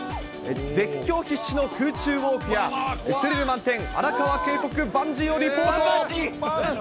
絶叫必至の空中ウォークやスリル満点、荒川渓谷バンジーをリポート。